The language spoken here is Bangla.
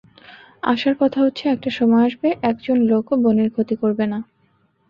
আশার কথা হচ্ছে, একটা সময় আসবে একজন লোকও বনের ক্ষতি করবে না।